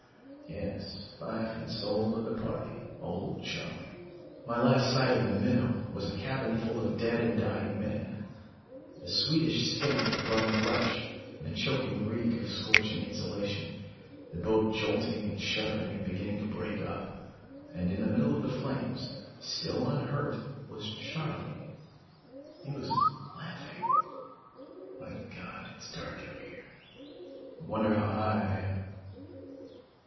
Yes, life and soul of the party, old Charley ... "My last sight of the Minnow was a cabin full of dead and dying men, the sweetish stink of burned flesh and the choking reek of scorching insulation, the boat jolting and shuddering and beginning to break up, and in the middle of the flames, still unhurt, was Charley. He was laughing ... "My God, it's dark out here. Wonder how high I am.